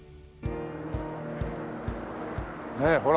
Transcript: ねえほら。